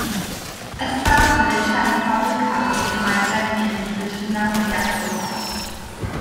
Asthall village has a public house, The Maytime Inn, which is now a gastropub.